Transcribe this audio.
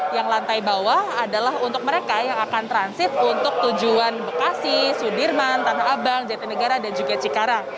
yang lantai bawah adalah untuk mereka yang akan transit untuk tujuan bekasi sudirman tanah abang jatinegara dan juga cikarang